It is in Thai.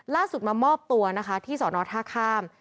ล่าสุดมามอบตัวนะคะที่ศธาคาม